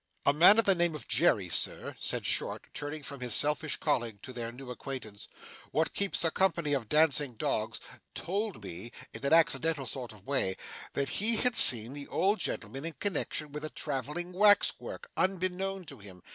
'A man of the name of Jerry, sir,' said Short, turning from his selfish colleague to their new acquaintance, 'wot keeps a company of dancing dogs, told me, in a accidental sort of way, that he had seen the old gentleman in connexion with a travelling wax work, unbeknown to him.